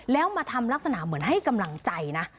แล้วมาทำลักษณะเหมือนให้กำลังใจนะ